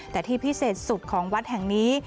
แต่ที่พิเศษสุดของวัดแห่งนี้